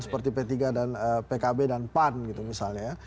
seperti p tiga dan pkb dan pan gitu misalnya ya